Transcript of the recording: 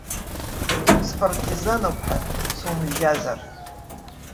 Спартизануп ҳәа сумжьазар.